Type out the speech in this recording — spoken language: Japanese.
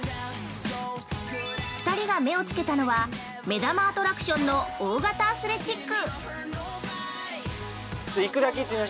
２人が目をつけたのは目玉アトラクションの大型アスレチック。